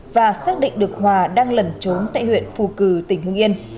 và xác định được hòa đang lẩn trốn tại huyện phù cử tỉnh hưng yên